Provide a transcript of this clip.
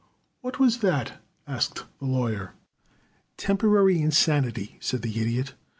"What was that?" asked the Lawyer. "Temporary insanity," said the Idiot.